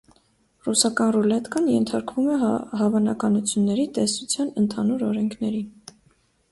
Ռուսական ռուլետկան ենթարկվում է հավանականությունների տեսության ընդհանուր օրենքներին։